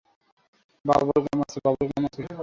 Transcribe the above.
Bubble gum আছে?